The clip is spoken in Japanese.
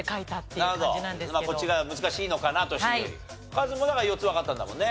カズも４つわかったんだもんね。